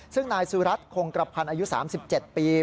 ซึ่งนายสุรัตนคงกระพันธ์อายุ๓๗ปี